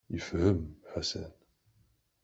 Yefhem Ḥasan.